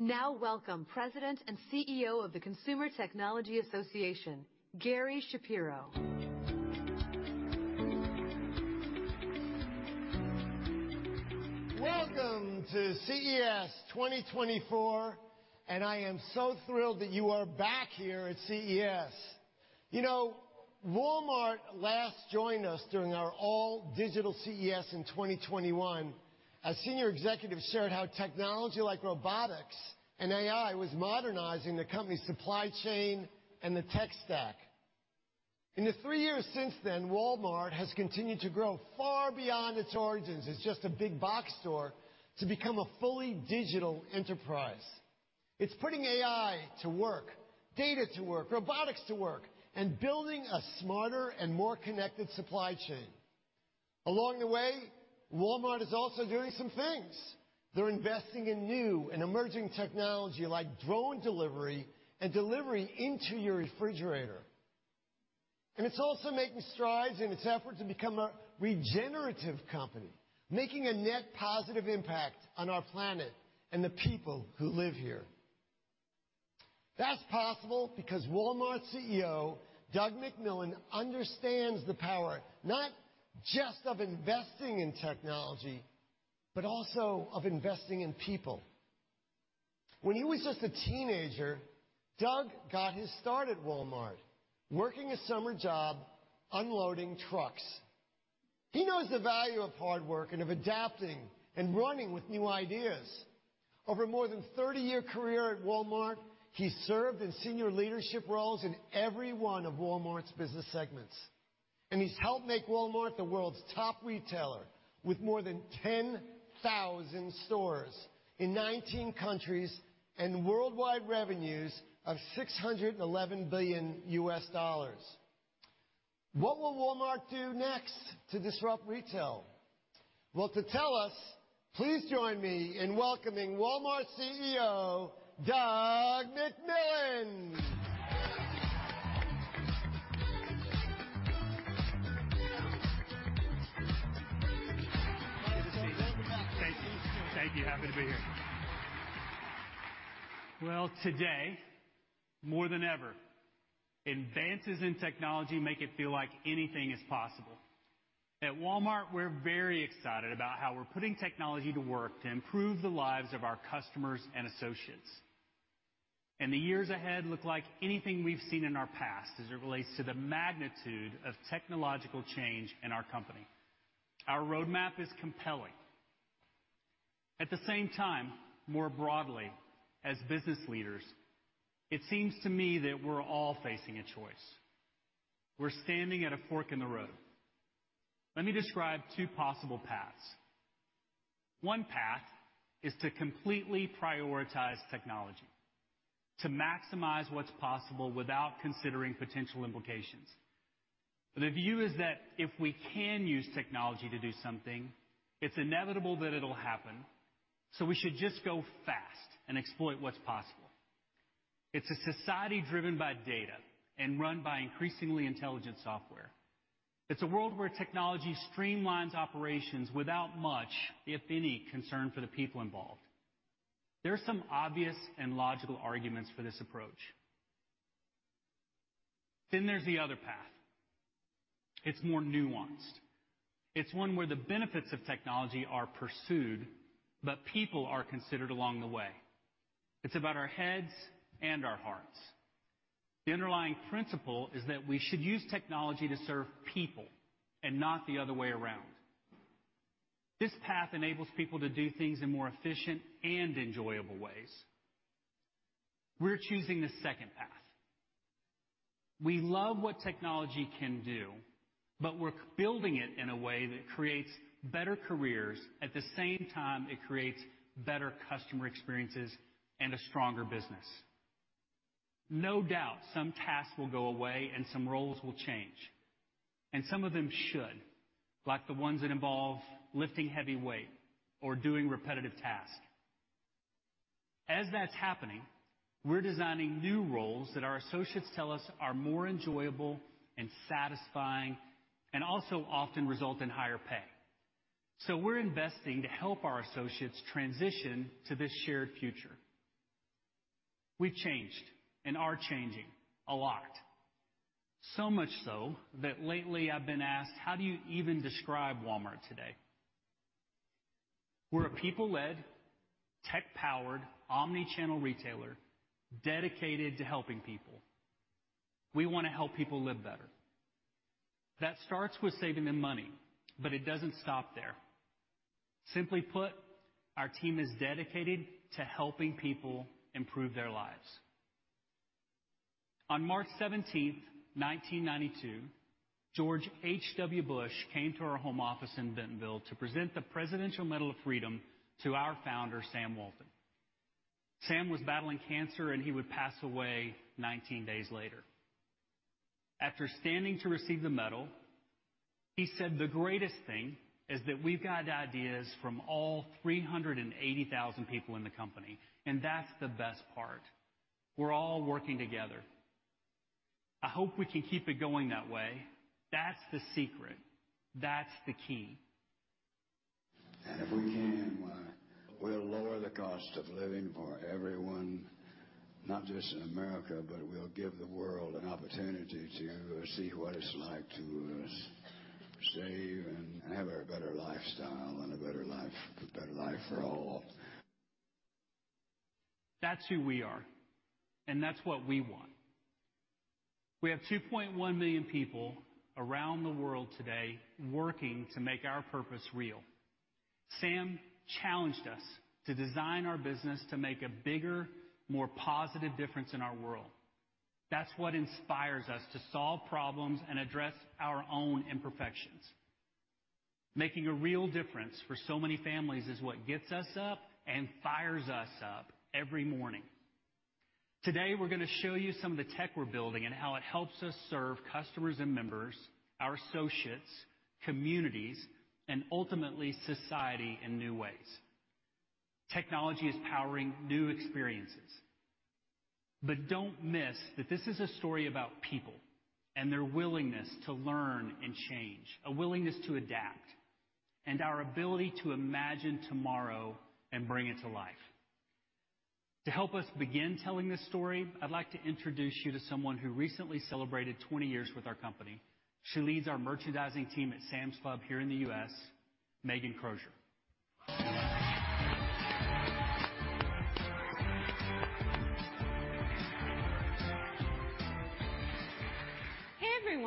Now welcome President and CEO of the Consumer Technology Association, Gary Shapiro. Welcome to CES 2024, and I am so thrilled that you are back here at CES. You know, Walmart last joined us during our all-digital CES in 2021. A senior executive shared how technology like robotics and AI was modernizing the company's supply chain and the tech stack. In the three years since then, Walmart has continued to grow far beyond its origins as just a big box store to become a fully digital enterprise. It's putting AI to work, data to work, robotics to work, and building a smarter and more connected supply chain. Along the way, Walmart is also doing some things. They're investing in new and emerging technology like drone delivery and delivery into your refrigerator. And it's also making strides in its efforts to become a regenerative company, making a net positive impact on our planet and the people who live here. That's possible because Walmart CEO, Doug McMillon, understands the power, not just of investing in technology, but also of investing in people. When he was just a teenager, Doug got his start at Walmart, working a summer job, unloading trucks. He knows the value of hard work and of adapting and running with new ideas. Over a more than 30-year career at Walmart, he served in senior leadership roles in every one of Walmart's business segments, and he's helped make Walmart the world's top retailer, with more than 10,000 stores in 19 countries and worldwide revenues of $611 billion. What will Walmart do next to disrupt retail? Well, to tell us, please join me in welcoming Walmart's CEO, Doug McMillon! Good to see you. Thank you. Thank you. Happy to be here. Well, today, more than ever, advances in technology make it feel like anything is possible. At Walmart, we're very excited about how we're putting technology to work to improve the lives of our customers and associates. And the years ahead look like anything we've seen in our past as it relates to the magnitude of technological change in our company. Our roadmap is compelling. At the same time, more broadly, as business leaders, it seems to me that we're all facing a choice. We're standing at a fork in the road. Let me describe two possible paths. One path is to completely prioritize technology, to maximize what's possible without considering potential implications. The view is that if we can use technology to do something, it's inevitable that it'll happen, so we should just go fast and exploit what's possible. It's a society driven by data and run by increasingly intelligent software. It's a world where technology streamlines operations without much, if any, concern for the people involved. There are some obvious and logical arguments for this approach. Then there's the other path. It's more nuanced. It's one where the benefits of technology are pursued, but people are considered along the way. It's about our heads and our hearts. The underlying principle is that we should use technology to serve people and not the other way around. This path enables people to do things in more efficient and enjoyable ways. We're choosing the second path. We love what technology can do, but we're building it in a way that creates better careers. At the same time, it creates better customer experiences and a stronger business. No doubt, some tasks will go away, and some roles will change, and some of them should, like the ones that involve lifting heavy weight or doing repetitive tasks. As that's happening, we're designing new roles that our associates tell us are more enjoyable and satisfying and also often result in higher pay. So we're investing to help our associates transition to this shared future. We've changed and are changing a lot. So much so that lately I've been asked: How do you even describe Walmart today? We're a people-led, tech-powered, omnichannel retailer dedicated to helping people. We want to help people live better. That starts with saving them money, but it doesn't stop there. Simply put, our team is dedicated to helping people improve their lives. On March 17th, 1992, George H.W. Bush came to our home office in Bentonville to present the Presidential Medal of Freedom to our founder, Sam Walton. Sam was battling cancer, and he would pass away 19 days later. After standing to receive the medal, he said, "The greatest thing is that we've got ideas from all 380,000 people in the company, and that's the best part. We're all working together."... I hope we can keep it going that way. That's the secret. That's the key. And if we can, why, we'll lower the cost of living for everyone, not just in America, but we'll give the world an opportunity to see what it's like to save and have a better lifestyle and a better life, a better life for all. That's who we are, and that's what we want. We have 2.1 million people around the world today working to make our purpose real. Sam challenged us to design our business to make a bigger, more positive difference in our world. That's what inspires us to solve problems and address our own imperfections. Making a real difference for so many families is what gets us up and fires us up every morning. Today, we're gonna show you some of the tech we're building and how it helps us serve customers and members, our associates, communities, and ultimately, society in new ways. Technology is powering new experiences. But don't miss that this is a story about people and their willingness to learn and change, a willingness to adapt, and our ability to imagine tomorrow and bring it to life. To help us begin telling this story, I'd like to introduce you to someone who recently celebrated 20 years with our company. She leads our merchandising team at Sam's Club here in the U.S., Megan Crozier.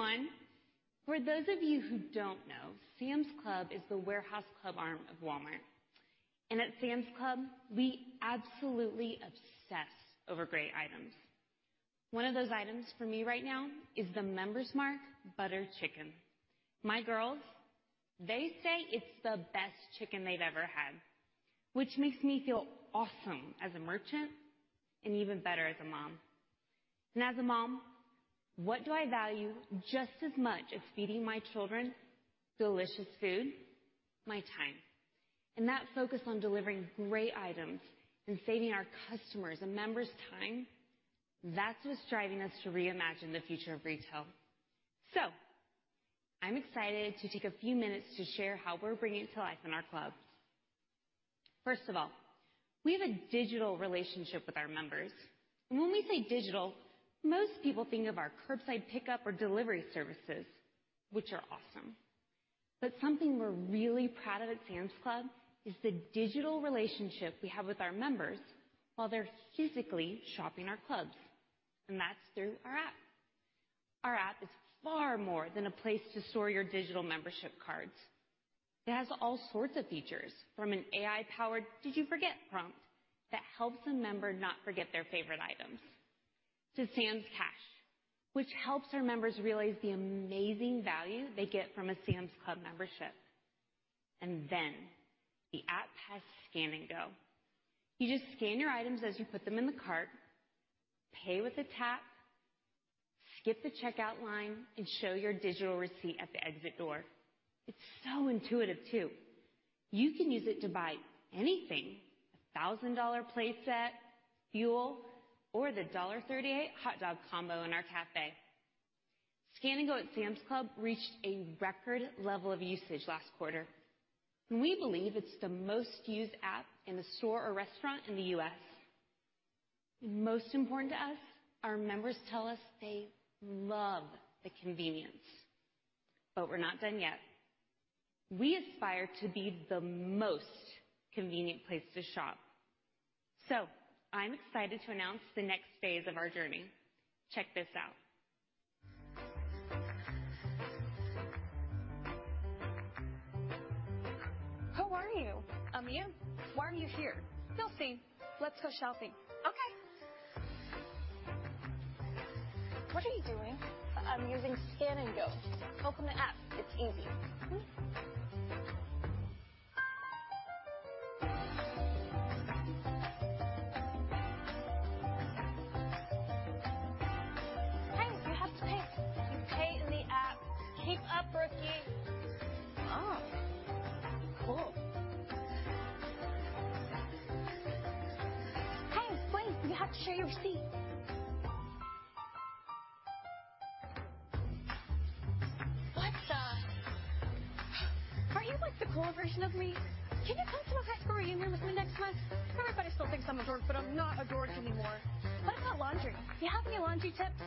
Hey, everyone. For those of you who don't know, Sam's Club is the warehouse club arm of Walmart, and at Sam's Club, we absolutely obsess over great items. One of those items for me right now is the Member's Mark butter chicken. My girls, they say it's the best chicken they've ever had, which makes me feel awesome as a merchant and even better as a mom. As a mom, what do I value just as much as feeding my children delicious food? My time. That focus on delivering great items and saving our customers and members time, that's what's driving us to reimagine the future of retail. I'm excited to take a few minutes to share how we're bringing it to life in our clubs. First of all, we have a digital relationship with our members, and when we say digital, most people think of our curbside pickup or delivery services, which are awesome. But something we're really proud of at Sam's Club is the digital relationship we have with our members while they're physically shopping our clubs, and that's through our app. Our app is far more than a place to store your digital membership cards. It has all sorts of features, from an AI-powered "Did You Forget?" prompt that helps a member not forget their favorite items, to Sam's Cash, which helps our members realize the amazing value they get from a Sam's Club membership. And then the app has Scan & Go. You just scan your items as you put them in the cart, pay with a tap, skip the checkout line, and show your digital receipt at the exit door. It's so intuitive, too. You can use it to buy anything, a $1,000 place set, fuel, or the $1.38 hot dog combo in our cafe. Scan & Go at Sam's Club reached a record level of usage last quarter, and we believe it's the most used app in a store or restaurant in the U.S. Most important to us, our members tell us they love the convenience. But we're not done yet. We aspire to be the most convenient place to shop. So I'm excited to announce the next phase of our journey. Check this out. Who are you? I'm you. Why are you here? You'll see. Let's go shopping. Okay. What are you doing? I'm using Scan & Go. Open the app. It's easy. Hey, you have to pay! You pay in the app. Keep up, rookie. Oh, cool. Hey, wait, you have to show your receipt. What the... Are you, like, the cool version of me? Can you come to my high school reunion with me next month? Everybody still thinks I'm a dork, but I'm not a dork anymore. What about laundry? Do you have any laundry tips?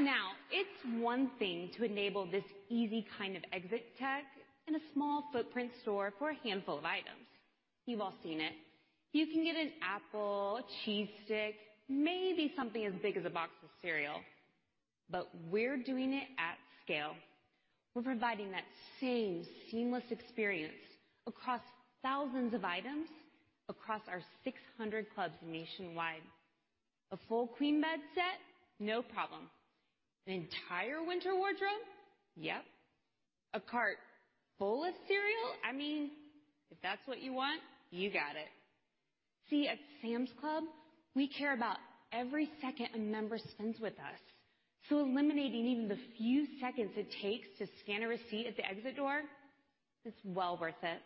Now, it's one thing to enable this easy kind of exit tech in a small footprint store for a handful of items. You've all seen it. You can get an apple, a cheese stick, maybe something as big as a box of cereal. But we're doing it at scale. We're providing that same seamless experience across thousands of items, across our 600 clubs nationwide. A full queen bed set? No problem. An entire winter wardrobe? Yep. A cart full of cereal? I mean, if that's what you want, you got it... See, at Sam's Club, we care about every second a member spends with us. So eliminating even the few seconds it takes to scan a receipt at the exit door, is well worth it.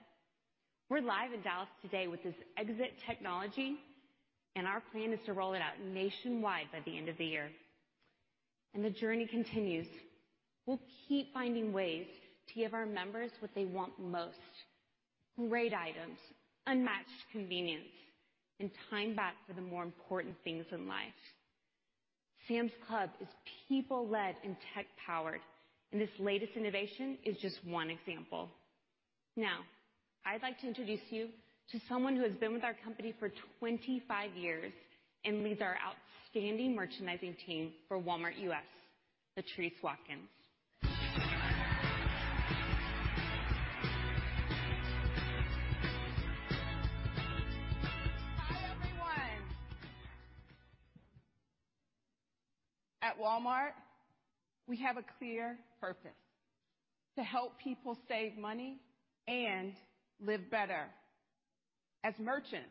We're live in Dallas today with this exit technology, and our plan is to roll it out nationwide by the end of the year. The journey continues. We'll keep finding ways to give our members what they want most: great items, unmatched convenience, and time back for the more important things in life. Sam's Club is people-led and tech-powered, and this latest innovation is just one example. Now, I'd like to introduce you to someone who has been with our company for 25 years and leads our outstanding merchandising team for Walmart U.S., Latriece Watkins. Hi, everyone. At Walmart, we have a clear purpose: to help people save money and live better. As merchants,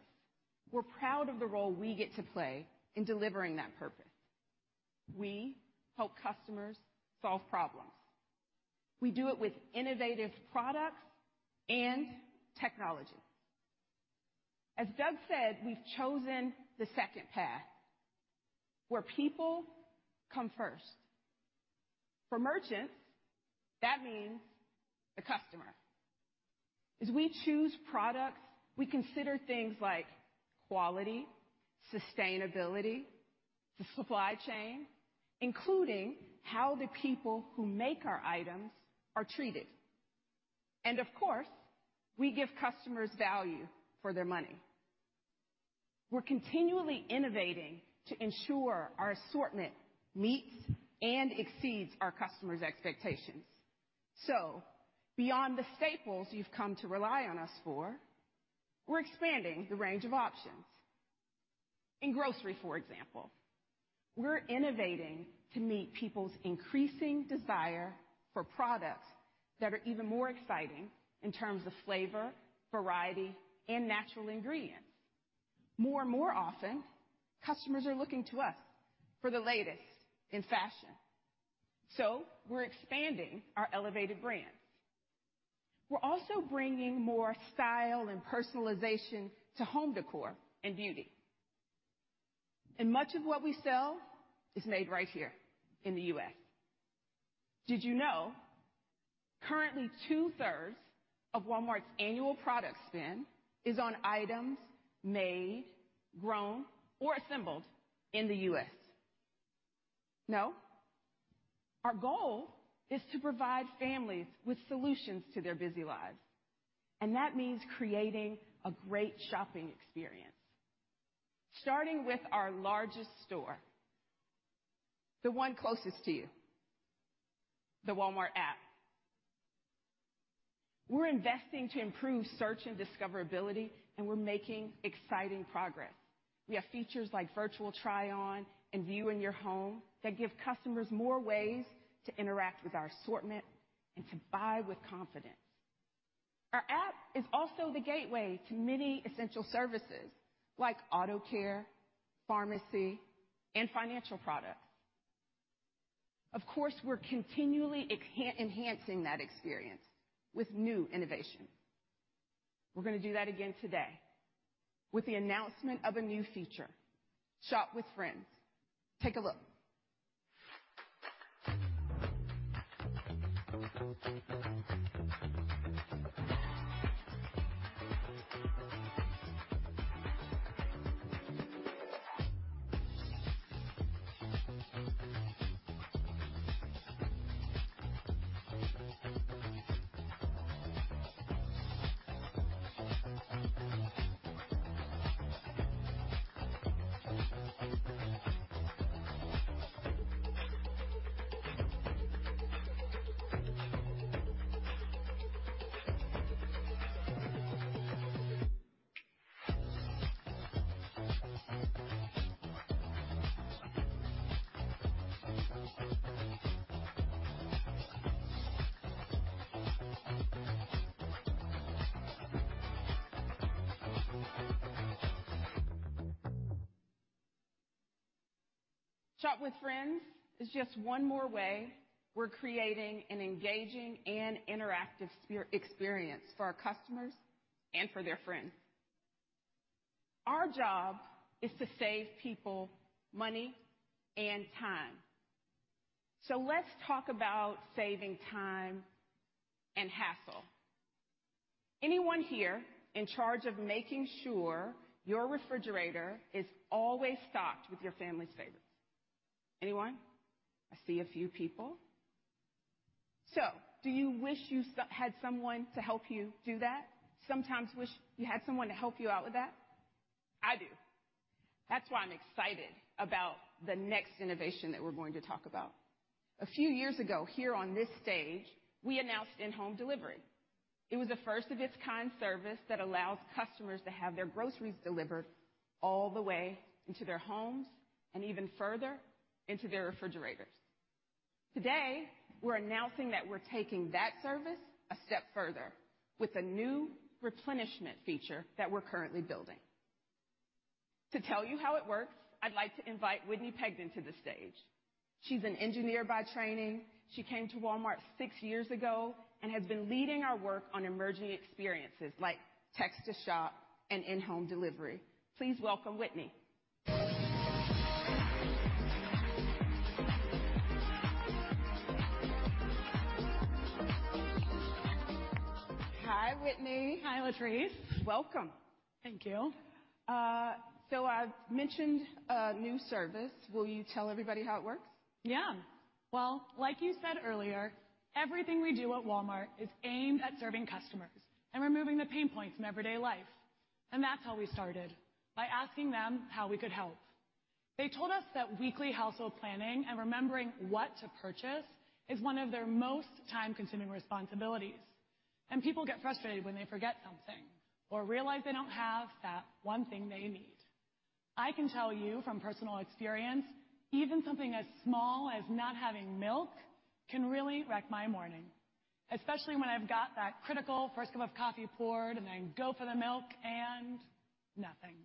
we're proud of the role we get to play in delivering that purpose. We help customers solve problems. We do it with innovative products and technology. As Doug said, we've chosen the second path, where people come first. For merchants, that means the customer. As we choose products, we consider things like quality, sustainability, the supply chain, including how the people who make our items are treated. And of course, we give customers value for their money. We're continually innovating to ensure our assortment meets and exceeds our customers' expectations. Beyond the staples you've come to rely on us for, we're expanding the range of options. In grocery, for example, we're innovating to meet people's increasing desire for products that are even more exciting in terms of flavor, variety, and natural ingredients. More and more often, customers are looking to us for the latest in fashion, so we're expanding our elevated brands. We're also bringing more style and personalization to home decor and beauty. And much of what we sell is made right here in the U.S. Did you know currently two-thirds of Walmart's annual product spend is on items made, grown, or assembled in the U.S.? No? Our goal is to provide families with solutions to their busy lives, and that means creating a great shopping experience, starting with our largest store, the one closest to you, the Walmart app. We're investing to improve search and discoverability, and we're making exciting progress. We have features like virtual try-on and view in your home that give customers more ways to interact with our assortment and to buy with confidence. Our app is also the gateway to many essential services like auto care, pharmacy, and financial products. Of course, we're continually enhancing that experience with new innovation. We're going to do that again today with the announcement of a new feature, Shop with Friends. Take a look. Shop with Friends is just one more way we're creating an engaging and interactive experience for our customers and for their friends. Our job is to save people money and time. So let's talk about saving time and hassle. Anyone here in charge of making sure your refrigerator is always stocked with your family's favorites? Anyone? I see a few people. So do you wish you had someone to help you do that? Sometimes wish you had someone to help you out with that? I do. That's why I'm excited about the next innovation that we're going to talk about. A few years ago, here on this stage, we announced InHome Delivery. It was a first-of-its-kind service that allows customers to have their groceries delivered all the way into their homes and even further into their refrigerators.... Today, we're announcing that we're taking that service a step further with a new replenishment feature that we're currently building. To tell you how it works, I'd like to invite Whitney Pegden to the stage. She's an engineer by training. She came to Walmart six years ago and has been leading our work on emerging experiences like Text to Shop and InHome Delivery. Please welcome, Whitney. Hi, Whitney. Hi, Latriece. Welcome. Thank you. I've mentioned a new service. Will you tell everybody how it works? Yeah. Well, like you said earlier, everything we do at Walmart is aimed at serving customers and removing the pain points from everyday life. That's how we started, by asking them how we could help. They told us that weekly household planning and remembering what to purchase is one of their most time-consuming responsibilities, and people get frustrated when they forget something or realize they don't have that one thing they need. I can tell you from personal experience, even something as small as not having milk can really wreck my morning, especially when I've got that critical first cup of coffee poured, and I go for the milk and nothing.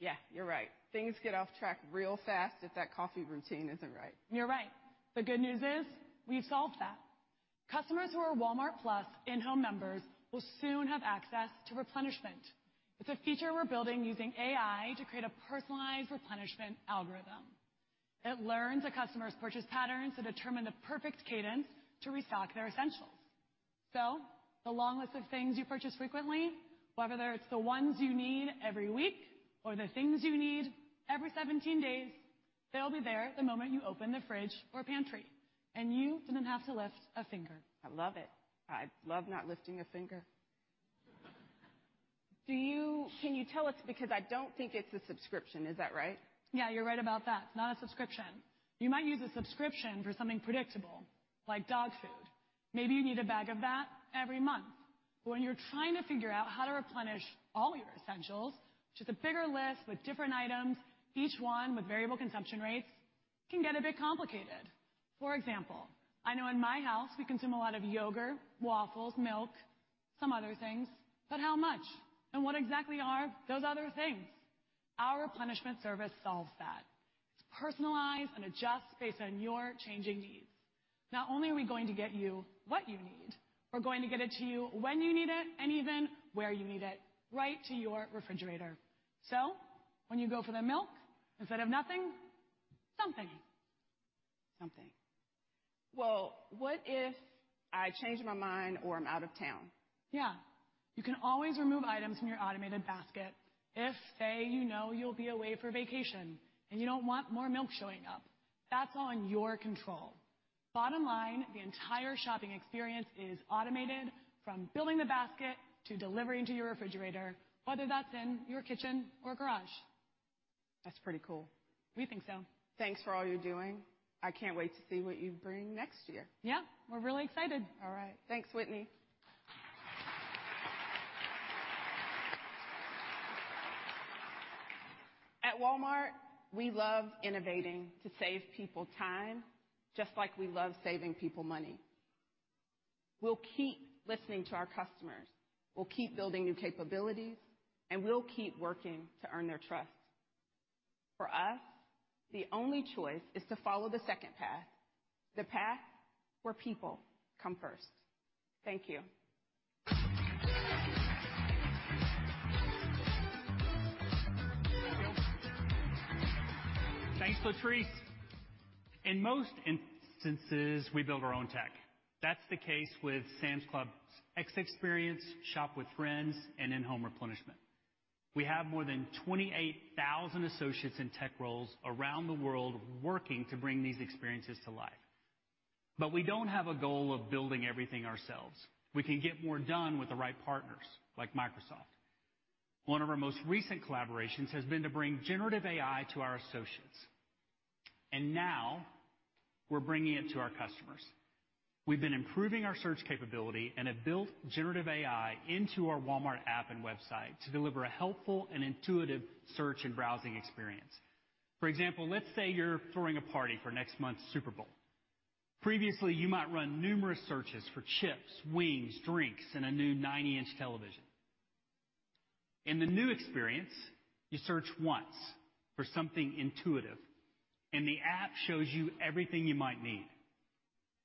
Yeah, you're right. Things get off track real fast if that coffee routine isn't right. You're right. The good news is, we've solved that. Customers who are Walmart+ InHome members will soon have access to replenishment. It's a feature we're building using AI to create a personalized replenishment algorithm. It learns a customer's purchase patterns to determine the perfect cadence to restock their essentials. So the long list of things you purchase frequently, whether it's the ones you need every week or the things you need every 17 days, they'll be there the moment you open the fridge or pantry, and you didn't have to lift a finger. I love it. I love not lifting a finger. Can you tell us, because I don't think it's a subscription, is that right? Yeah, you're right about that. It's not a subscription. You might use a subscription for something predictable, like dog food. Maybe you need a bag of that every month. But when you're trying to figure out how to replenish all your essentials, which is a bigger list with different items, each one with variable consumption rates, can get a bit complicated. For example, I know in my house, we consume a lot of yogurt, waffles, milk, some other things, but how much? And what exactly are those other things? Our replenishment service solves that. It's personalized and adjusts based on your changing needs. Not only are we going to get you what you need, we're going to get it to you when you need it and even where you need it, right to your refrigerator. So when you go for the milk, instead of nothing, something. Something. Well, what if I change my mind or I'm out of town? Yeah, you can always remove items from your automated basket if, say, you know you'll be away for vacation and you don't want more milk showing up. That's all in your control. Bottom line, the entire shopping experience is automated, from building the basket to delivering to your refrigerator, whether that's in your kitchen or garage. That's pretty cool. We think so. Thanks for all you're doing. I can't wait to see what you bring next year. Yeah, we're really excited. All right. Thanks, Whitney. At Walmart, we love innovating to save people time, just like we love saving people money. We'll keep listening to our customers, we'll keep building new capabilities, and we'll keep working to earn their trust. For us, the only choice is to follow the second path, the path where people come first. Thank you. Thanks, Latriece. In most instances, we build our own tech. That's the case with Sam's Club's exit experience, Shop with Friends, and InHome Replenishment. We have more than 28,000 associates in tech roles around the world working to bring these experiences to life. But we don't have a goal of building everything ourselves. We can get more done with the right partners, like Microsoft. One of our most recent collaborations has been to bring generative AI to our associates, and now we're bringing it to our customers. We've been improving our search capability and have built generative AI into our Walmart app and website to deliver a helpful and intuitive search and browsing experience. For example, let's say you're throwing a party for next month's Super Bowl. Previously, you might run numerous searches for chips, wings, drinks, and a new 90 in television. In the new experience, you search once for something intuitive, and the app shows you everything you might need.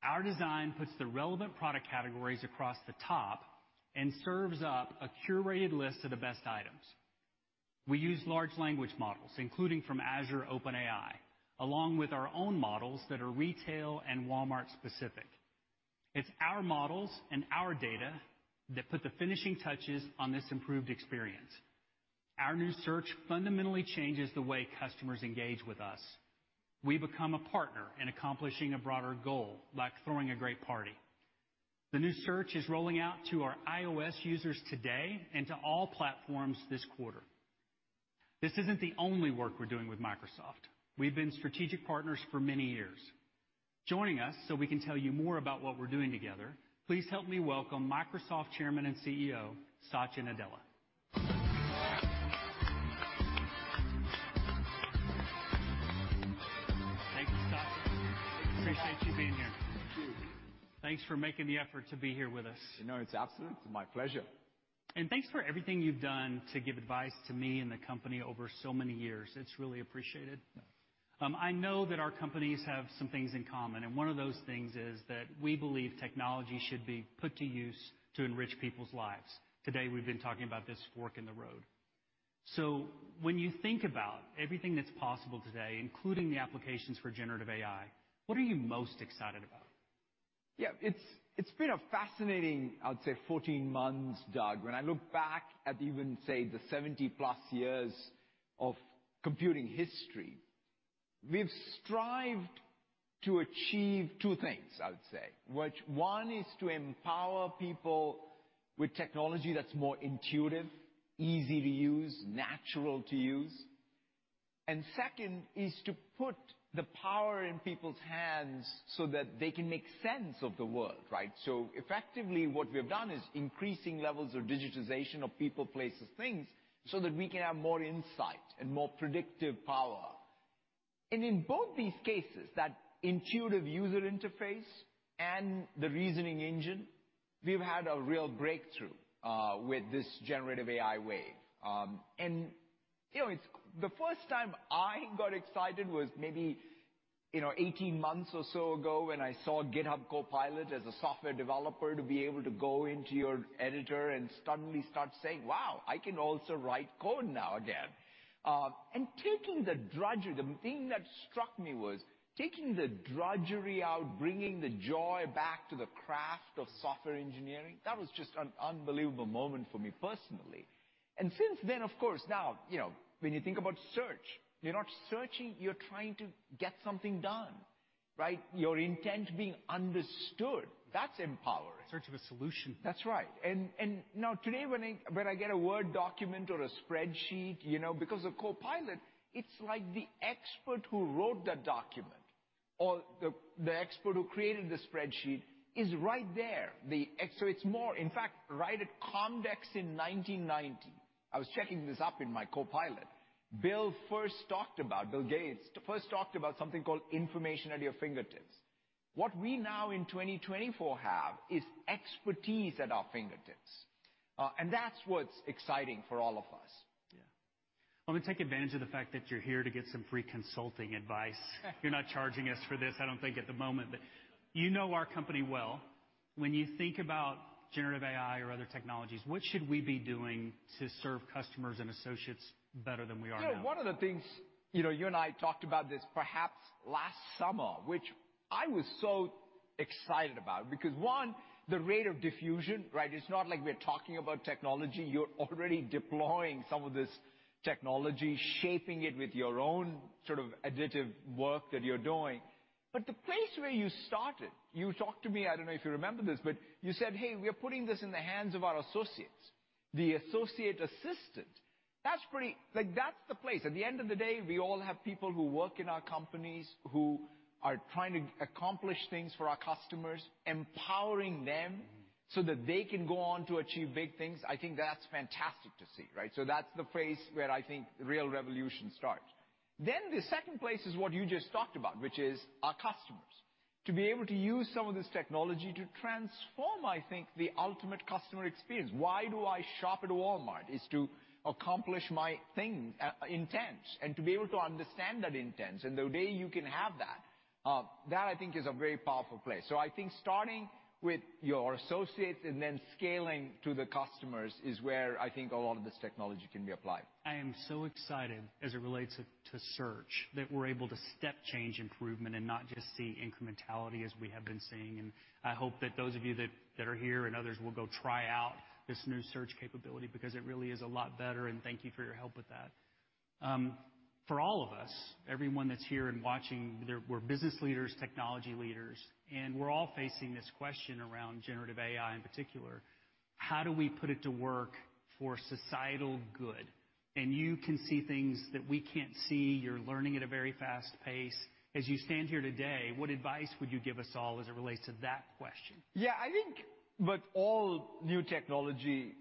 Our design puts the relevant product categories across the top and serves up a curated list of the best items. We use large language models, including from Azure OpenAI, along with our own models that are retail and Walmart specific. It's our models and our data that put the finishing touches on this improved experience. Our new search fundamentally changes the way customers engage with us. We become a partner in accomplishing a broader goal, like throwing a great party. The new search is rolling out to our iOS users today and to all platforms this quarter. This isn't the only work we're doing with Microsoft. We've been strategic partners for many years. Joining us so we can tell you more about what we're doing together, please help me welcome Microsoft Chairman and CEO, Satya Nadella. Thank you, Satya. I appreciate you being here. Thank you. Thanks for making the effort to be here with us. You know, it's absolutely my pleasure. Thanks for everything you've done to give advice to me and the company over so many years. It's really appreciated. I know that our companies have some things in common, and one of those things is that we believe technology should be put to use to enrich people's lives. Today, we've been talking about this fork in the road. When you think about everything that's possible today, including the applications for generative AI, what are you most excited about? Yeah, it's, it's been a fascinating, I'd say, 14 months, Doug. When I look back at even, say, the 70+ years of computing history, we've strived to achieve two things, I would say. Which one is to empower people with technology that's more intuitive, easy to use, natural to use. And second is to put the power in people's hands so that they can make sense of the world, right? So effectively, what we've done is increasing levels of digitization of people, places, things, so that we can have more insight and more predictive power. And in both these cases, that intuitive user interface and the reasoning engine, we've had a real breakthrough with this generative AI wave. And, you know, it's the first time I got excited was maybe, you know, 18 months or so ago, when I saw GitHub Copilot as a software developer, to be able to go into your editor and suddenly start saying, "Wow, I can also write code now again." And taking the drudgery. The thing that struck me was taking the drudgery out, bringing the joy back to the craft of software engineering, that was just an unbelievable moment for me personally. And since then, of course, now, you know, when you think about search, you're not searching, you're trying to get something done, right? Your intent being understood, that's empowering. Search of a solution. That's right. And now today, when I get a Word document or a spreadsheet, you know, because of Copilot, it's like the expert who wrote that document or the expert who created the spreadsheet is right there. So it's more, in fact, right at COMDEX in 1990, I was checking this up in my Copilot, Bill first talked about, Bill Gates, first talked about something called information at your fingertips. What we now in 2024 have is expertise at our fingertips, and that's what's exciting for all of us. Yeah. Let me take advantage of the fact that you're here to get some free consulting advice. You're not charging us for this, I don't think, at the moment, but you know our company well. When you think about generative AI or other technologies, what should we be doing to serve customers and associates better than we are now? You know, one of the things, you know, you and I talked about this perhaps last summer, which I was so excited about, because, one, the rate of diffusion, right? It's not like we're talking about technology. You're already deploying some of this technology, shaping it with your own sort of additive work that you're doing. But the place where you started, you talked to me, I don't know if you remember this, but you said, "Hey, we're putting this in the hands of our associates," the associate assistant. That's pretty... Like, that's the place. At the end of the day, we all have people who work in our companies, who are trying to accomplish things for our customers, empowering them so that they can go on to achieve big things. I think that's fantastic to see, right? So that's the place where I think real revolution starts. Then, the second place is what you just talked about, which is our customers. To be able to use some of this technology to transform, I think, the ultimate customer experience. Why do I shop at Walmart? Is to accomplish my thing, intents, and to be able to understand that intents and the way you can have that, that I think is a very powerful place. So I think starting with your associates and then scaling to the customers is where I think a lot of this technology can be applied. I am so excited as it relates to search, that we're able to step change improvement and not just see incrementality as we have been seeing. And I hope that those of you that are here and others will go try out this new search capability because it really is a lot better, and thank you for your help with that. For all of us, everyone that's here and watching, we're business leaders, technology leaders, and we're all facing this question around generative AI in particular: How do we put it to work for societal good? And you can see things that we can't see. You're learning at a very fast pace. As you stand here today, what advice would you give us all as it relates to that question? Yeah, I think with all new technology,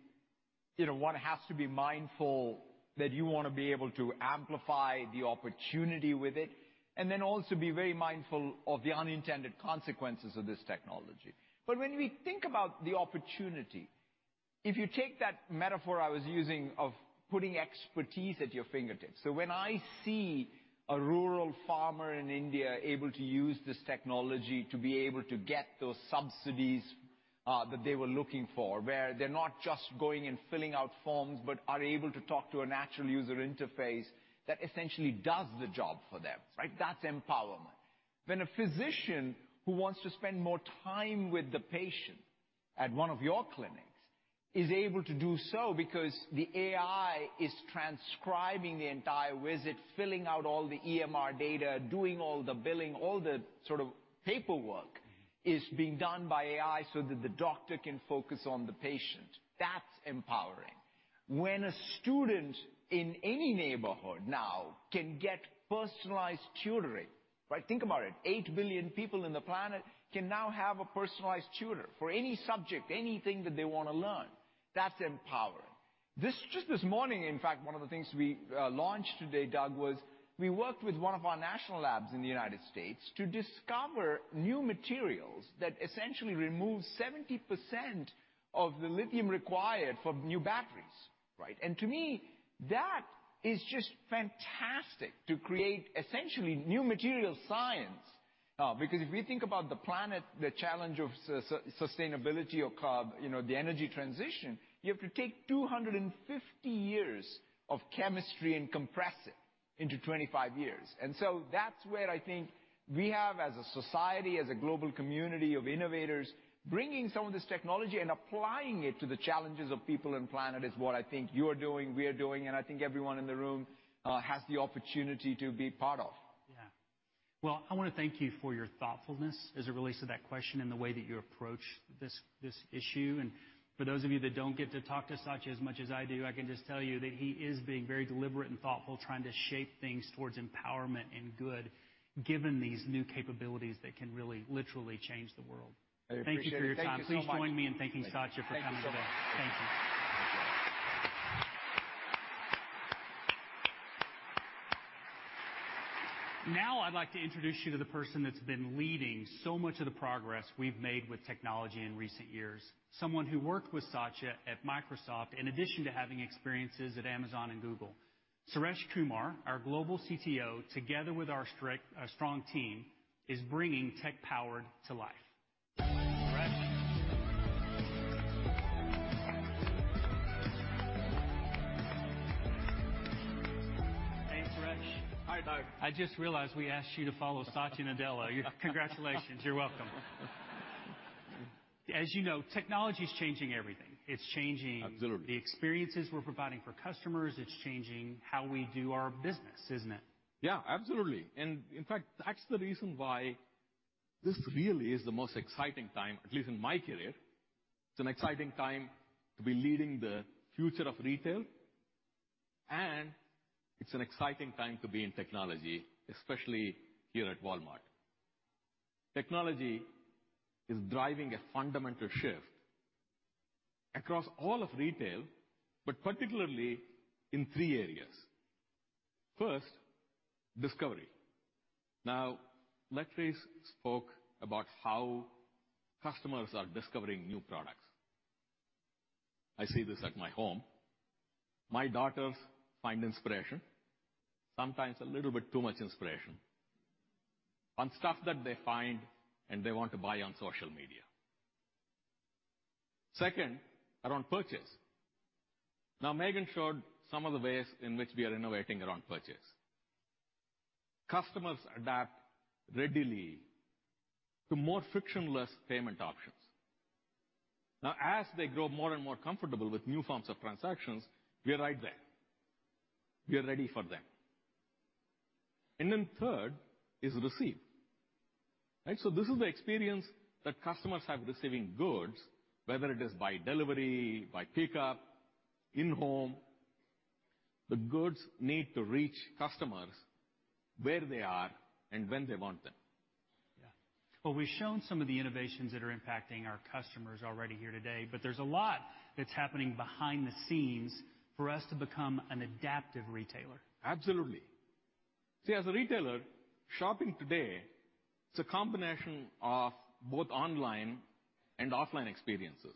you know, one has to be mindful that you wanna be able to amplify the opportunity with it, and then also be very mindful of the unintended consequences of this technology. But when we think about the opportunity, if you take that metaphor I was using of putting expertise at your fingertips. So when I see a rural farmer in India able to use this technology to be able to get those subsidies, that they were looking for, where they're not just going and filling out forms, but are able to talk to a natural user interface, that essentially does the job for them, right? That's empowerment. When a physician who wants to spend more time with the patient at one of your clinics is able to do so because the AI is transcribing the entire visit, filling out all the EMR data, doing all the billing, all the sort of paperwork is being done by AI so that the doctor can focus on the patient, that's empowering. When a student in any neighborhood now can get personalized tutoring, right? Think about it, 8 billion people in the planet can now have a personalized tutor for any subject, anything that they wanna learn, that's empowering.... This, just this morning, in fact, one of the things we launched today, Doug, was we worked with one of our national labs in the United States to discover new materials that essentially remove 70% of the lithium required for new batteries, right? To me, that is just fantastic, to create essentially new material science. Because if we think about the planet, the challenge of sustainability or carbon, you know, the energy transition, you have to take 250 years of chemistry and compress it into 25 years. So that's where I think we have as a society, as a global community of innovators, bringing some of this technology and applying it to the challenges of people and planet is what I think you're doing, we're doing, and I think everyone in the room has the opportunity to be part of. Yeah. Well, I wanna thank you for your thoughtfulness as it relates to that question and the way that you approach this, this issue. For those of you that don't get to talk to Satya as much as I do, I can just tell you that he is being very deliberate and thoughtful, trying to shape things towards empowerment and good, given these new capabilities that can really literally change the world. I appreciate it. Thank you for your time. Thank you so much. Please join me in thanking Satya for coming today. Thank you so much. Thank you. Now, I'd like to introduce you to the person that's been leading so much of the progress we've made with technology in recent years. Someone who worked with Satya at Microsoft, in addition to having experiences at Amazon and Google. Suresh Kumar, our Global CTO, together with our strategic, strong team, is bringing tech powered to life. Suresh. Hey, Suresh. Hi, Doug. I just realized we asked you to follow Satya Nadella. Congratulations. You're welcome. As you know, technology is changing everything. It's changing- Absolutely. The experiences we're providing for customers. It's changing how we do our business, isn't it? Yeah, absolutely. And in fact, that's the reason why this really is the most exciting time, at least in my career. It's an exciting time to be leading the future of retail, and it's an exciting time to be in technology, especially here at Walmart. Technology is driving a fundamental shift across all of retail, but particularly in three areas. First, discovery. Now, Latriece spoke about how customers are discovering new products. I see this at my home. My daughters find inspiration, sometimes a little bit too much inspiration, on stuff that they find and they want to buy on social media. Second, around purchase. Now, Megan showed some of the ways in which we are innovating around purchase. Customers adapt readily to more frictionless payment options. Now, as they grow more and more comfortable with new forms of transactions, we are right there. We are ready for them. And then third is receive, right? So this is the experience that customers have receiving goods, whether it is by delivery, by pickup, in home, the goods need to reach customers where they are and when they want them. Yeah. Well, we've shown some of the innovations that are impacting our customers already here today, but there's a lot that's happening behind the scenes for us to become an adaptive retailer. Absolutely. See, as a retailer, shopping today is a combination of both online and offline experiences.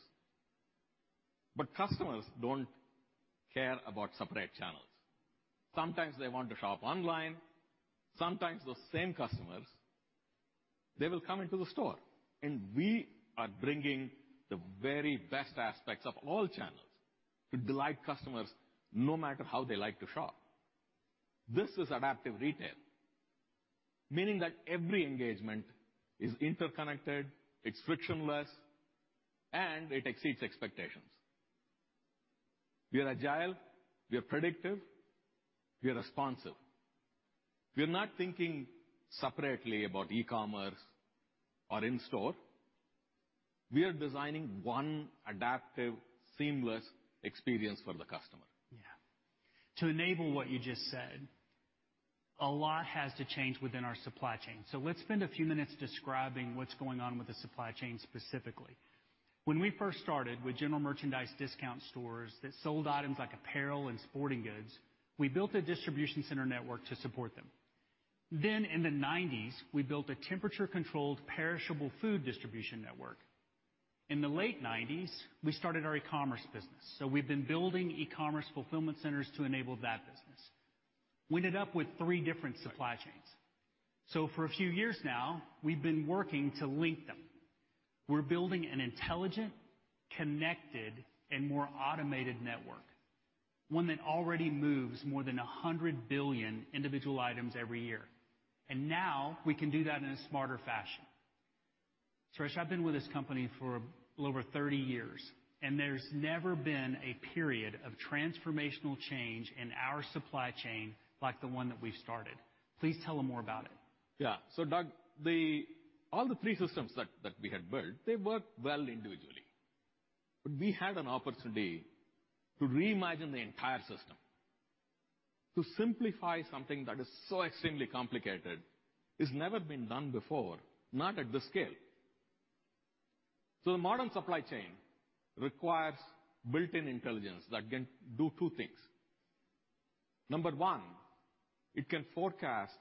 But customers don't care about separate channels. Sometimes they want to shop online, sometimes those same customers, they will come into the store, and we are bringing the very best aspects of all channels to delight customers, no matter how they like to shop. This is adaptive retail, meaning that every engagement is interconnected, it's frictionless, and it exceeds expectations. We are agile, we are predictive, we are responsive. We are not thinking separately about e-commerce or in store. We are designing one adaptive, seamless experience for the customer. Yeah. To enable what you just said, a lot has to change within our supply chain. So let's spend a few minutes describing what's going on with the supply chain, specifically. When we first started with general merchandise discount stores that sold items like apparel and sporting goods, we built a distribution center network to support them. Then in the 1990s, we built a temperature-controlled, perishable food distribution network. In the late 1990s, we started our e-commerce business, so we've been building e-commerce fulfillment centers to enable that business. We ended up with three different supply chains. So for a few years now, we've been working to link them. We're building an intelligent, connected, and more automated network, one that already moves more than 100 billion individual items every year. Now we can do that in a smarter fashion. Suresh, I've been with this company for a little over 30 years, and there's never been a period of transformational change in our supply chain like the one that we've started. Please tell them more about it. Yeah. So, Doug, the all three systems that we had built, they worked well individually. But we had an opportunity to reimagine the entire system, to simplify something that is so extremely complicated, it's never been done before, not at this scale. So the modern supply chain requires built-in intelligence that can do two things. Number one, it can forecast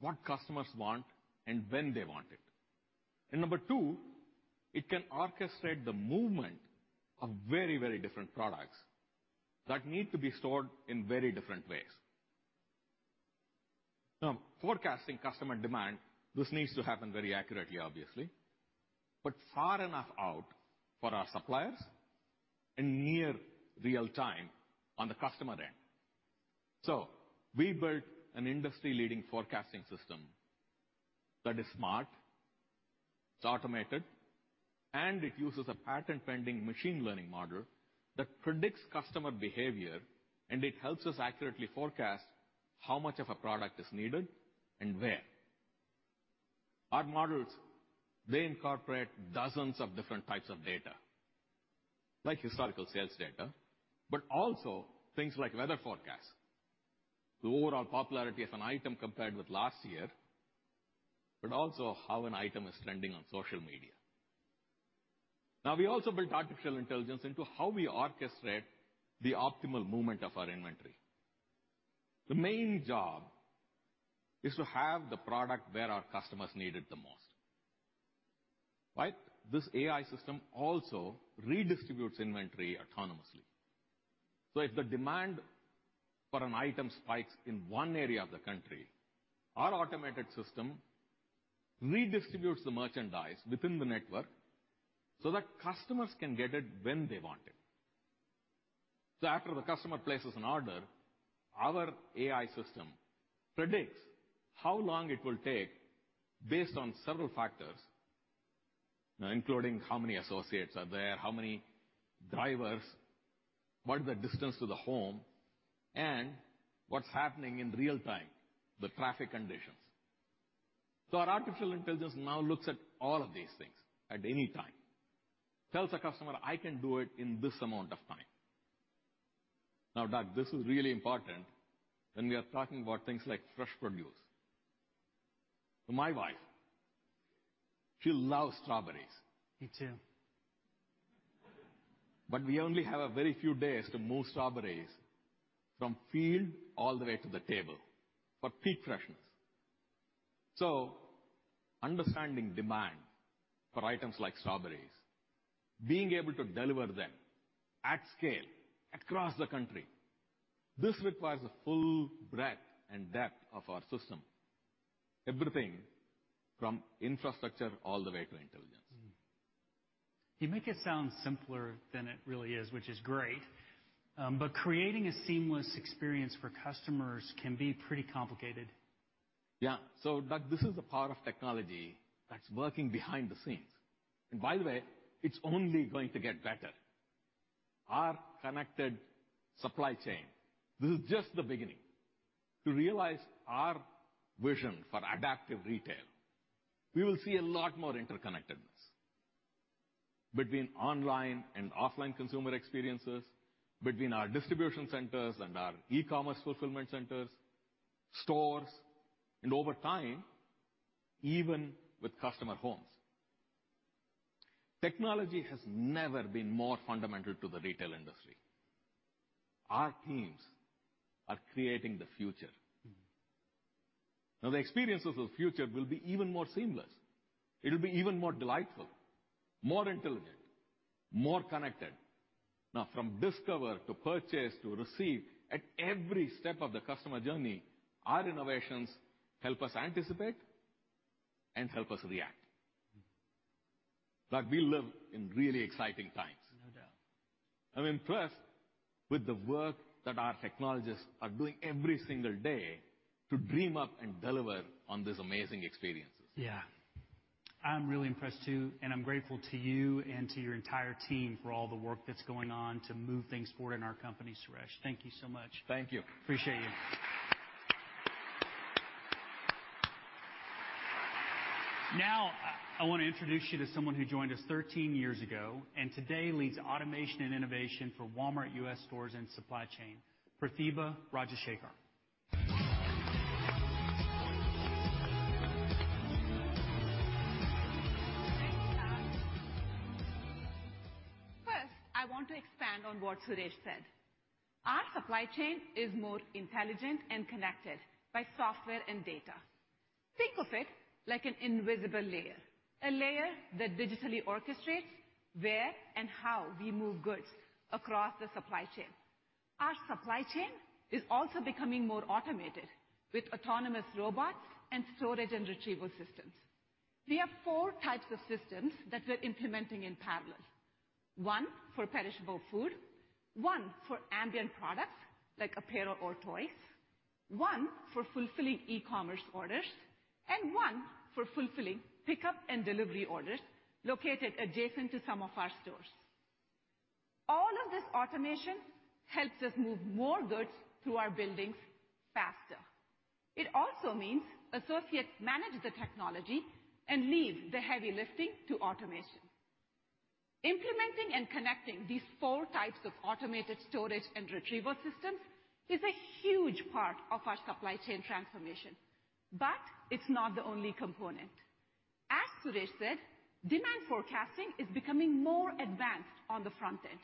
what customers want and when they want it. And number two, it can orchestrate the movement of very, very different products that need to be stored in very different ways. Now, forecasting customer demand, this needs to happen very accurately, obviously, but far enough out for our suppliers and near real time on the customer end. We built an industry-leading forecasting system that is smart, it's automated, and it uses a patent-pending machine learning model that predicts customer behavior, and it helps us accurately forecast how much of a product is needed and where. Our models, they incorporate dozens of different types of data, like historical sales data, but also things like weather forecasts, the overall popularity of an item compared with last year, but also how an item is trending on social media. Now, we also built artificial intelligence into how we orchestrate the optimal movement of our inventory. The main job is to have the product where our customers need it the most, right? This AI system also redistributes inventory autonomously. So if the demand for an item spikes in one area of the country, our automated system redistributes the merchandise within the network so that customers can get it when they want it. So after the customer places an order, our AI system predicts how long it will take based on several factors, now, including how many associates are there, how many drivers, what is the distance to the home, and what's happening in real time, the traffic conditions. So our artificial intelligence now looks at all of these things at any time, tells the customer, "I can do it in this amount of time." Now, Doug, this is really important when we are talking about things like fresh produce. My wife, she loves strawberries. Me too. But we only have a very few days to move strawberries from field all the way to the table for peak freshness. So understanding demand for items like strawberries, being able to deliver them at scale across the country, this requires the full breadth and depth of our system, everything from infrastructure all the way to intelligence. You make it sound simpler than it really is, which is great. But creating a seamless experience for customers can be pretty complicated. Yeah. So, Doug, this is the power of technology that's working behind the scenes. By the way, it's only going to get better. Our connected supply chain, this is just the beginning. To realize our vision for Adaptive Retail, we will see a lot more interconnectedness between online and offline consumer experiences, between our distribution centers and our e-commerce fulfillment centers, stores, and over time, even with customer homes. Technology has never been more fundamental to the retail industry. Our teams are creating the future. Mm. Now, the experiences of the future will be even more seamless. It'll be even more delightful, more intelligent, more connected. Now, from discovery, to purchase, to receive, at every step of the customer journey, our innovations help us anticipate and help us react. Mm. Doug, we live in really exciting times. No doubt. I'm impressed with the work that our technologists are doing every single day to dream up and deliver on these amazing experiences. Yeah. I'm really impressed, too, and I'm grateful to you and to your entire team for all the work that's going on to move things forward in our company, Suresh. Thank you so much. Thank you. Appreciate you. Now, I want to introduce you to someone who joined us 13 years ago, and today leads automation and innovation for Walmart U.S. stores and supply chain, Prathibha Rajashekhar. Thanks, Doug. First, I want to expand on what Suresh said. Our supply chain is more intelligent and connected by software and data. Think of it like an invisible layer, a layer that digitally orchestrates where and how we move goods across the supply chain. Our supply chain is also becoming more automated, with autonomous robots and storage and retrieval systems. We have four types of systems that we're implementing in parallel. One for perishable food, one for ambient products, like apparel or toys, one for fulfilling e-commerce orders, and one for fulfilling pickup and delivery orders located adjacent to some of our stores. All of this automation helps us move more goods through our buildings faster. It also means associates manage the technology and leave the heavy lifting to automation... Implementing and connecting these four types of automated storage and retrieval systems is a huge part of our supply chain transformation, but it's not the only component. As Suresh said, demand forecasting is becoming more advanced on the front end,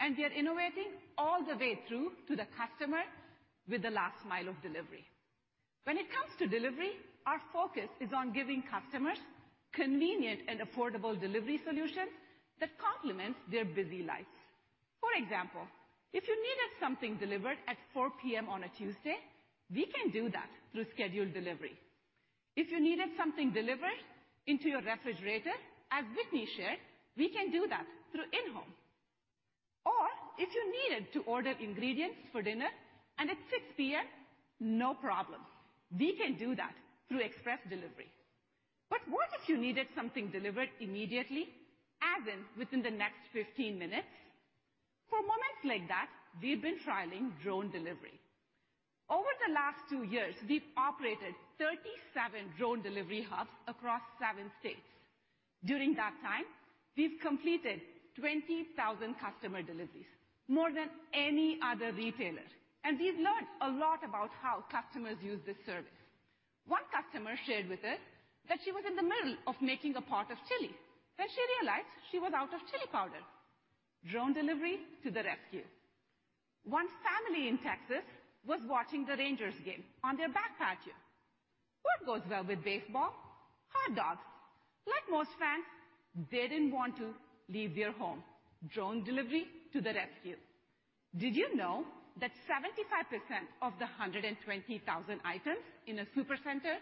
and we are innovating all the way through to the customer with the last mile of delivery. When it comes to delivery, our focus is on giving customers convenient and affordable delivery solutions that complement their busy lives. For example, if you needed something delivered at 4:00 P.M. on a Tuesday, we can do that through scheduled delivery. If you needed something delivered into your refrigerator, as Whitney shared, we can do that through InHome. Or if you needed to order ingredients for dinner and it's 6:00 P.M., no problem, we can do that through express delivery. But what if you needed something delivered immediately, as in within the next 15 minutes? For moments like that, we've been trialing drone delivery. Over the last two years, we've operated 37 drone delivery hubs across seven states. During that time, we've completed 20,000 customer deliveries, more than any other retailer, and we've learned a lot about how customers use this service. One customer shared with us that she was in the middle of making a pot of chili when she realized she was out of chili powder. Drone delivery to the rescue. One family in Texas was watching the Rangers game on their backyard. What goes well with baseball? Hot dogs. Like most fans, they didn't want to leave their home. Drone delivery to the rescue. Did you know that 75% of the 120,000 items in a supercenter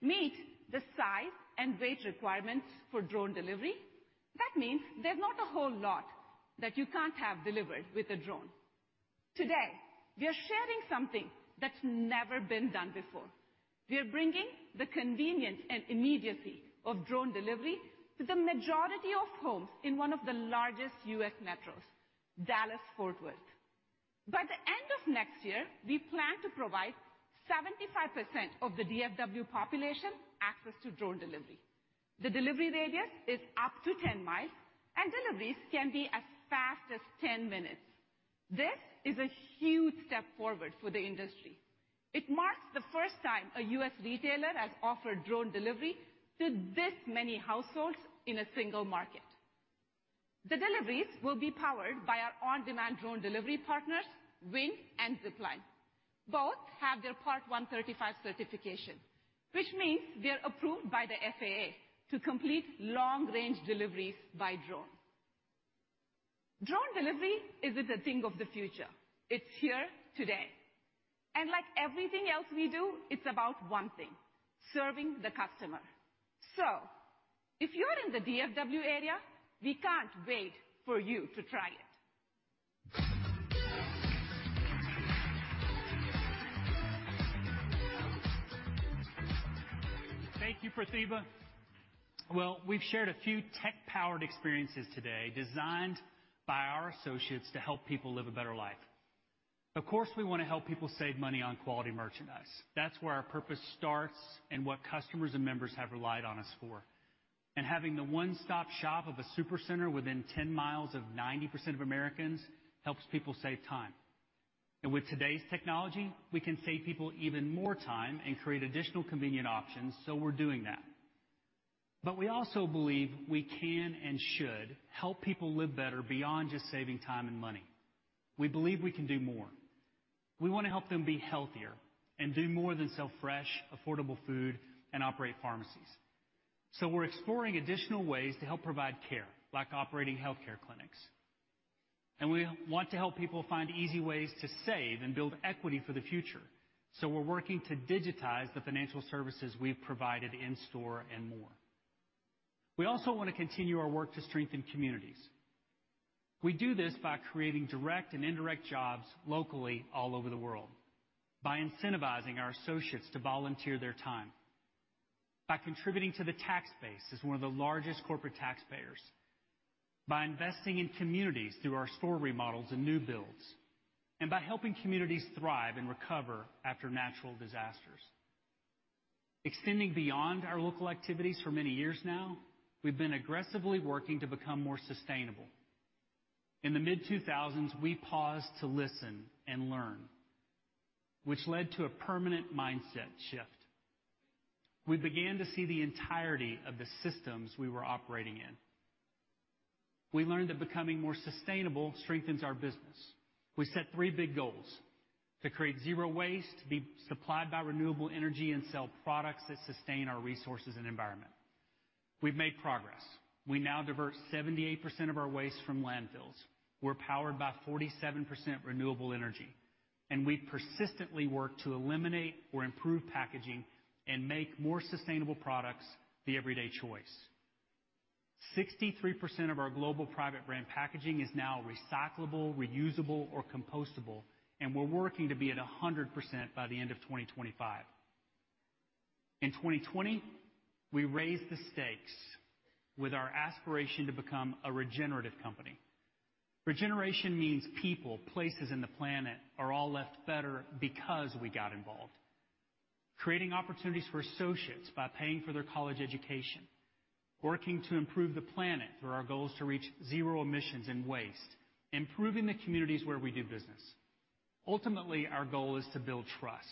meet the size and weight requirements for drone delivery? That means there's not a whole lot that you can't have delivered with a drone. Today, we are sharing something that's never been done before. We are bringing the convenience and immediacy of drone delivery to the majority of homes in one of the largest U.S. metros, Dallas-Fort Worth. By the end of next year, we plan to provide 75% of the DFW population access to drone delivery. The delivery radius is up to 10 mi, and deliveries can be as fast as 10 minutes. This is a huge step forward for the industry. It marks the first time a U.S. retailer has offered drone delivery to this many households in a single market. The deliveries will be powered by our on-demand drone delivery partners, Wing and Zipline. Both have their Part 135 certification, which means they're approved by the FAA to complete long-range deliveries by drone. Drone delivery isn't a thing of the future, it's here today, and like everything else we do, it's about one thing: serving the customer. If you're in the DFW area, we can't wait for you to try it. Thank you, Prathibha. Well, we've shared a few tech-powered experiences today, designed by our associates to help people live a better life. Of course, we wanna help people save money on quality merchandise. That's where our purpose starts and what customers and members have relied on us for. And having the one-stop shop of a supercenter within 10 mi of 90% of Americans helps people save time. And with today's technology, we can save people even more time and create additional convenient options, so we're doing that. But we also believe we can and should help people live better beyond just saving time and money. We believe we can do more. We wanna help them be healthier and do more than sell fresh, affordable food and operate pharmacies. We're exploring additional ways to help provide care, like operating healthcare clinics, and we want to help people find easy ways to save and build equity for the future, so we're working to digitize the financial services we've provided in store and more. We also want to continue our work to strengthen communities. We do this by creating direct and indirect jobs locally, all over the world, by incentivizing our associates to volunteer their time, by contributing to the tax base as one of the largest corporate taxpayers, by investing in communities through our store remodels and new builds, and by helping communities thrive and recover after natural disasters. Extending beyond our local activities for many years now, we've been aggressively working to become more sustainable. In the mid-2000s, we paused to listen and learn, which led to a permanent mindset shift. We began to see the entirety of the systems we were operating in. We learned that becoming more sustainable strengthens our business. We set three big goals: to create zero waste, be supplied by renewable energy, and sell products that sustain our resources and environment. We've made progress. We now divert 78% of our waste from landfills. We're powered by 47% renewable energy, and we persistently work to eliminate or improve packaging and make more sustainable products the everyday choice. 63% of our global private brand packaging is now recyclable, reusable, or compostable, and we're working to be at 100% by the end of 2025. In 2020, we raised the stakes with our aspiration to become a regenerative company.... Regeneration means people, places in the planet are all left better because we got involved. Creating opportunities for associates by paying for their college education, working to improve the planet through our goals to reach zero emissions and waste, improving the communities where we do business. Ultimately, our goal is to build trust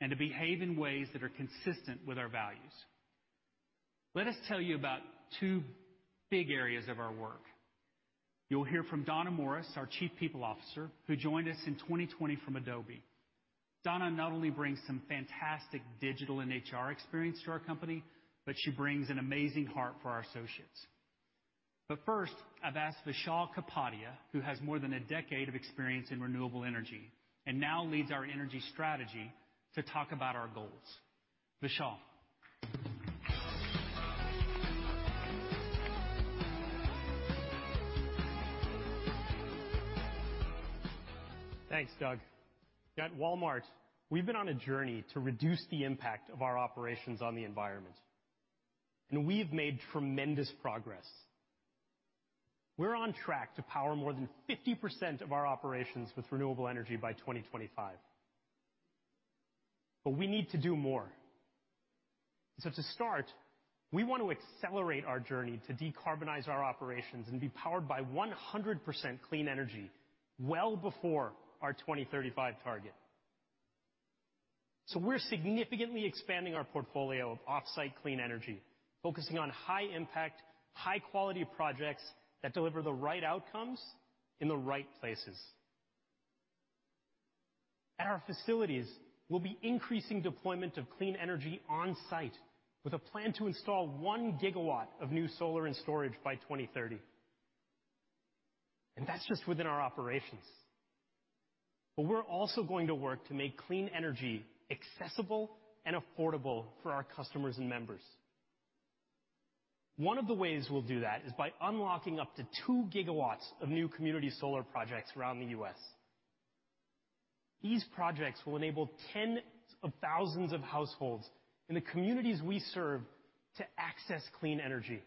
and to behave in ways that are consistent with our values. Let us tell you about two big areas of our work. You'll hear from Donna Morris, our Chief People Officer, who joined us in 2020 from Adobe. Donna not only brings some fantastic digital and HR experience to our company, but she brings an amazing heart for our associates. But first, I've asked Vishal Kapadia, who has more than a decade of experience in renewable energy and now leads our energy strategy, to talk about our goals. Vishal? Thanks, Doug. At Walmart, we've been on a journey to reduce the impact of our operations on the environment, and we've made tremendous progress. We're on track to power more than 50% of our operations with renewable energy by 2025. But we need to do more. So to start, we want to accelerate our journey to decarbonize our operations and be powered by 100% clean energy well before our 2035 target. So we're significantly expanding our portfolio of off-site clean energy, focusing on high impact, high quality projects that deliver the right outcomes in the right places. At our facilities, we'll be increasing deployment of clean energy on site with a plan to install 1 GW of new solar and storage by 2030. And that's just within our operations. But we're also going to work to make clean energy accessible and affordable for our customers and members. One of the ways we'll do that is by unlocking up to 2 GW of new community solar projects around the U.S. These projects will enable tens of thousands of households in the communities we serve to access clean energy,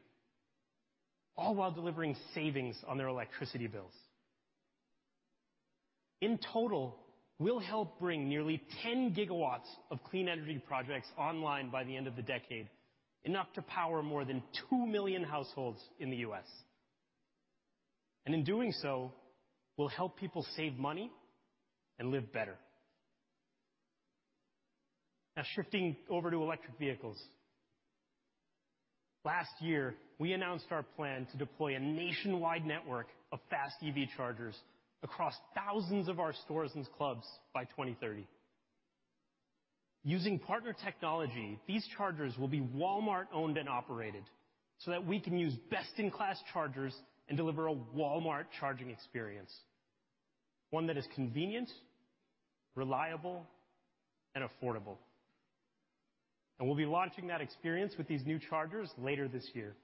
all while delivering savings on their electricity bills. In total, we'll help bring nearly 10 GW of clean energy projects online by the end of the decade, enough to power more than 2 million households in the U.S. And in doing so, we'll help people save money and live better. Now, shifting over to electric vehicles. Last year, we announced our plan to deploy a nationwide network of fast EV chargers across thousands of our stores and clubs by 2030. Using partner technology, these chargers will be Walmart owned and operated, so that we can use best-in-class chargers and deliver a Walmart charging experience, one that is convenient, reliable, and affordable. We'll be launching that experience with these new chargers later this year.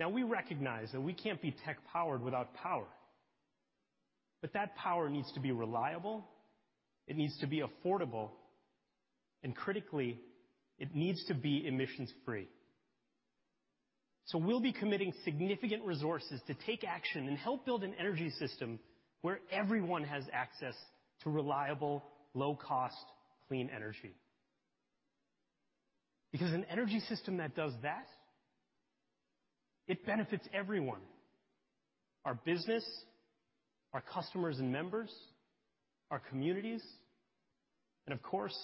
Now, we recognize that we can't be tech-powered without power, but that power needs to be reliable, it needs to be affordable, and critically, it needs to be emissions-free. We'll be committing significant resources to take action and help build an energy system where everyone has access to reliable, low-cost, clean energy. Because an energy system that does that, it benefits everyone, our business, our customers and members, our communities, and of course,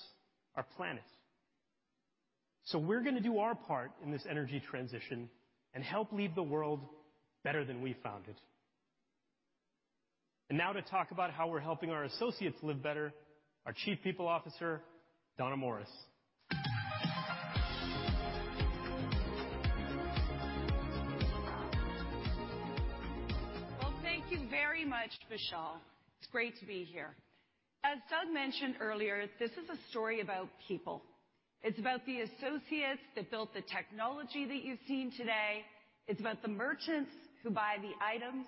our planet. We're going to do our part in this energy transition and help leave the world better than we found it. And now, to talk about how we're helping our associates live better, our Chief People Officer, Donna Morris. Well, thank you very much, Vishal. It's great to be here. As Doug mentioned earlier, this is a story about people. It's about the associates that built the technology that you've seen today, it's about the merchants who buy the items,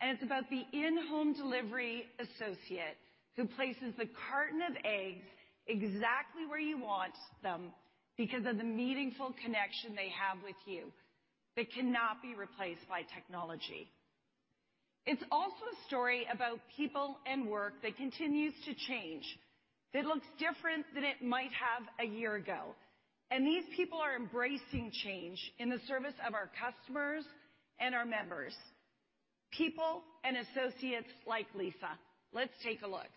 and it's about the InHome delivery associate who places the carton of eggs exactly where you want them because of the meaningful connection they have with you, that cannot be replaced by technology. It's also a story about people and work that continues to change, that looks different than it might have a year ago. And these people are embracing change in the service of our customers and our members, people and associates like Lisa. Let's take a look.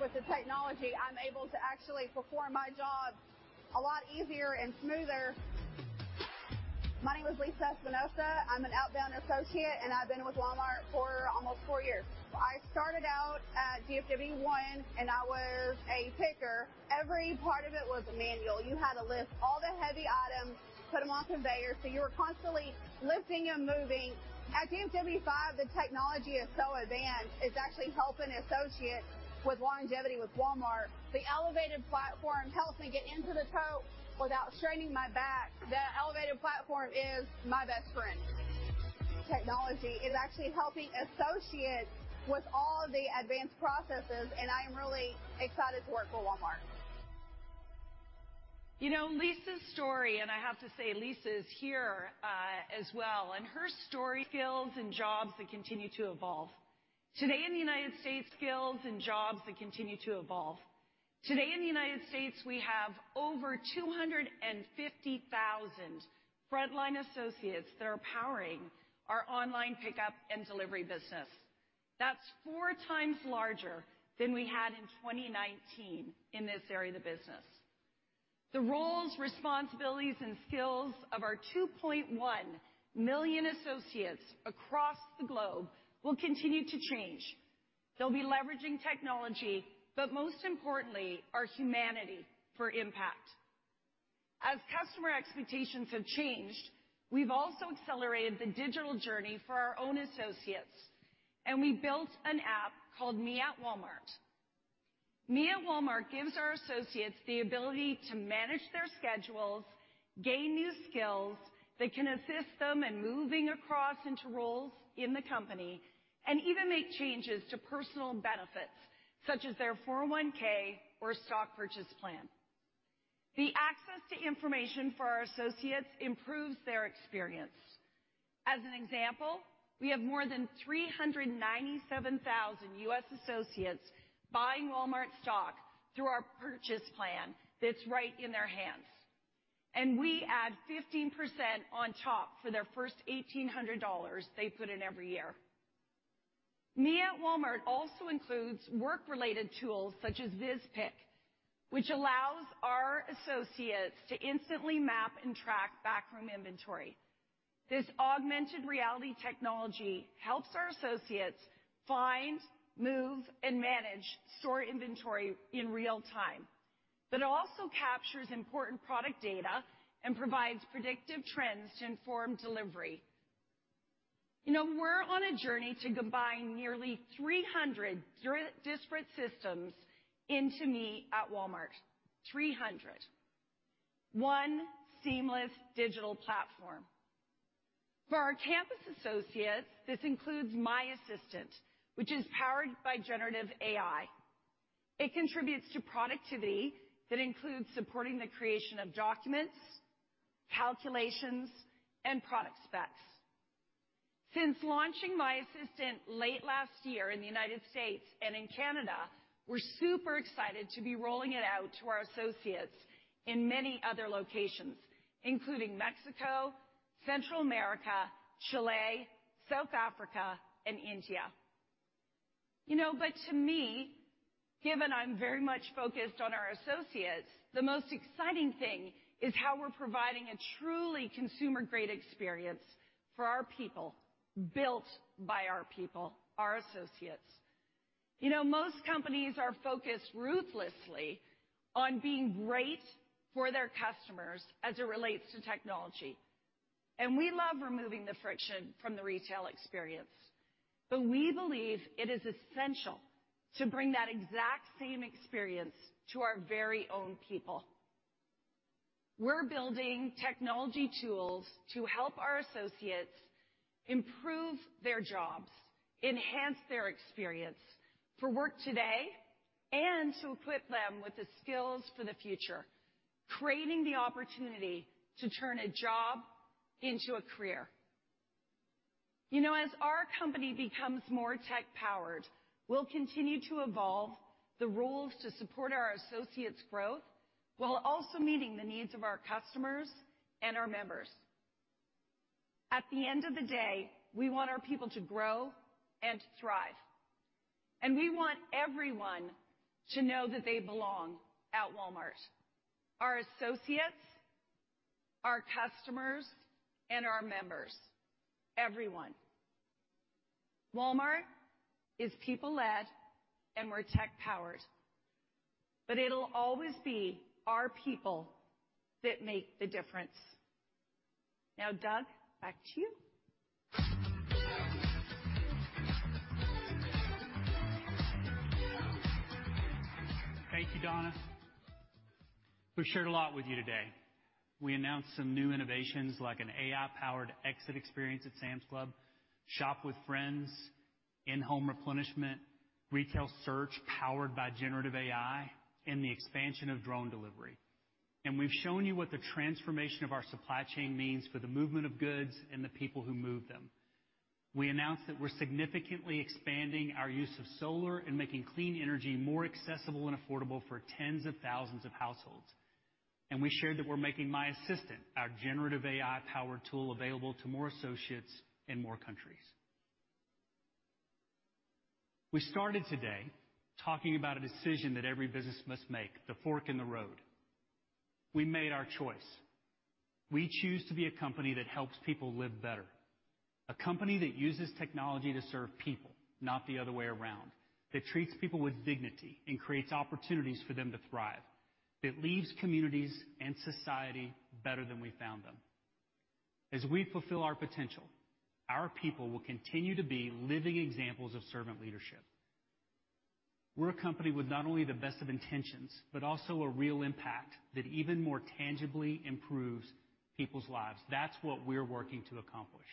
With the technology, I'm able to actually perform my job a lot easier and smoother. My name is Lisa Espinosa, I'm an outbound associate, and I've been with Walmart for almost four years. I started out at DFW1, and I was a picker. Every part of it was manual. You had to lift all the heavy items, put them on conveyor, so you were constantly lifting and moving. At DFW5, the technology is so advanced, it's actually helping associates with longevity with Walmart. The elevated platform helps me get into the tote without straining my back. The elevated platform is my best friend.... Technology is actually helping associates with all the advanced processes, and I'm really excited to work for Walmart. You know, Lisa's story, and I have to say, Lisa is here as well, and her story—skills and jobs that continue to evolve. Today in the United States, we have over 250,000 frontline associates that are powering our online pickup and delivery business. That's four times larger than we had in 2019 in this area of the business. The roles, responsibilities, and skills of our 2.1 million associates across the globe will continue to change. They'll be leveraging technology, but most importantly, our humanity for impact. As customer expectations have changed, we've also accelerated the digital journey for our own associates, and we built an app called Me@Walmart. Me@Walmart gives our associates the ability to manage their schedules, gain new skills that can assist them in moving across into roles in the company, and even make changes to personal benefits, such as their 401(k) or stock purchase plan. The access to information for our associates improves their experience. As an example, we have more than 397,000 U.S. associates buying Walmart stock through our purchase plan that's right in their hands, and we add 15% on top for their first $1,800 they put in every year. Me@Walmart also includes work-related tools such as VizPick, which allows our associates to instantly map and track backroom inventory. This augmented reality technology helps our associates find, move, and manage store inventory in real time. But it also captures important product data and provides predictive trends to inform delivery. You know, we're on a journey to combine nearly 300 disparate systems into Me@Walmart. 300. One seamless digital platform. For our campus associates, this includes My Assistant, which is powered by generative AI. It contributes to productivity that includes supporting the creation of documents, calculations, and product specs. Since launching My Assistant late last year in the United States and in Canada, we're super excited to be rolling it out to our associates in many other locations, including Mexico, Central America, Chile, South Africa, and India. You know, but to me, given I'm very much focused on our associates, the most exciting thing is how we're providing a truly consumer-grade experience for our people, built by our people, our associates. You know, most companies are focused ruthlessly on being great for their customers as it relates to technology, and we love removing the friction from the retail experience. But we believe it is essential to bring that exact same experience to our very own people. We're building technology tools to help our associates improve their jobs, enhance their experience for work today, and to equip them with the skills for the future, creating the opportunity to turn a job into a career. You know, as our company becomes more tech-powered, we'll continue to evolve the roles to support our associates' growth, while also meeting the needs of our customers and our members. At the end of the day, we want our people to grow and thrive, and we want everyone to know that they belong at Walmart, our associates, our customers, and our members, everyone. Walmart is people-led, and we're tech-powered, but it'll always be our people that make the difference. Now, Doug, back to you. Thank you, Donna. We've shared a lot with you today. We announced some new innovations, like an AI-powered exit experience at Sam's Club, Shop with Friends, InHome Replenishment, retail search powered by generative AI, and the expansion of drone delivery. We've shown you what the transformation of our supply chain means for the movement of goods and the people who move them. We announced that we're significantly expanding our use of solar and making clean energy more accessible and affordable for tens of thousands of households. We shared that we're making My Assistant, our generative AI-powered tool, available to more associates in more countries. We started today talking about a decision that every business must make, the fork in the road. We made our choice. We choose to be a company that helps people live better, a company that uses technology to serve people, not the other way around, that treats people with dignity and creates opportunities for them to thrive, that leaves communities and society better than we found them. As we fulfill our potential, our people will continue to be living examples of servant leadership. We're a company with not only the best of intentions, but also a real impact that even more tangibly improves people's lives. That's what we're working to accomplish.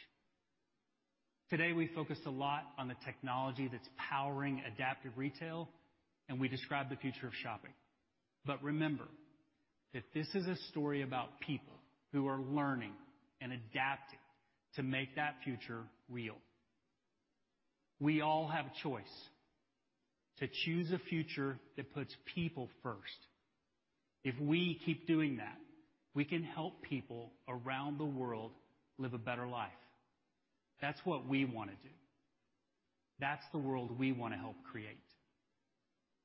Today, we focused a lot on the technology that's powering Adaptive Retail, and we described the future of shopping. But remember that this is a story about people who are learning and adapting to make that future real. We all have a choice to choose a future that puts people first. If we keep doing that, we can help people around the world live a better life. That's what we wanna do. That's the world we wanna help create.